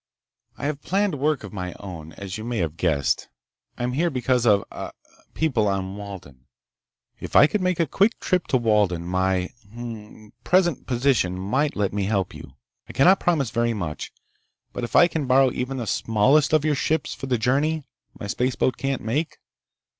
"I have planned work of my own, as you may have guessed. I am here because of ... ah ... people on Walden. If I could make a quick trip to Walden my ... hm m m ... present position might let me help you. I cannot promise very much, but if I can borrow even the smallest of your ships for the journey my spaceboat can't make